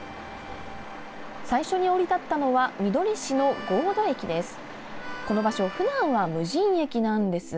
最初に降り立ったのはみどり市の神戸駅です。